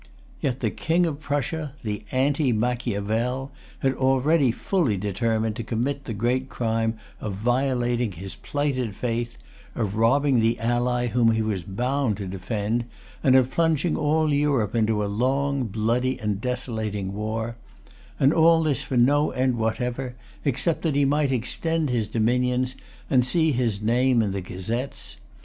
Yet the King of Prussia, the Anti Machiavel, had already fully determined to commit the great crime of violating his plighted faith, of robbing the ally whom he was bound to defend, and of plunging all Europe into a long, bloody, and desolating war; and all this for no end whatever, except that he might extend his dominions, and see his name in the gazettes.